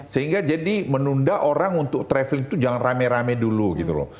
sehingga jadi menunda orang untuk traveling itu jangan rame rame dulu gitu loh